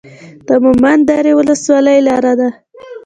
د مومند درې ولسوالۍ لاره ده